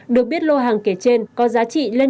được biết lô hàng kể trên có giá trị lên